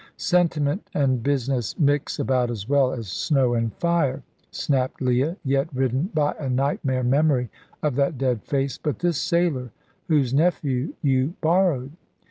"Sentiment and business mix about as well as snow and fire," snapped Leah, yet ridden by a nightmare memory of that dead face; "but this sailor whose nephew you borrowed?"